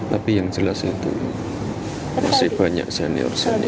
tapi yang jelas itu masih banyak senior senior